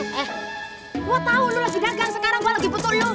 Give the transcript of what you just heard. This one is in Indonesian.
eh gua tau lu lagi dagang sekarang gua lagi putus lu